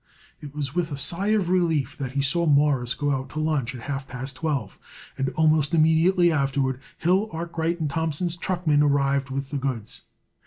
It was with a sigh of relief that he saw Morris go out to lunch at half past twelve, and almost immediately afterward Hill, Arkwright & Thompson's truckman arrived with the goods.